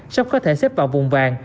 sắp có thể xếp vào vùng vàng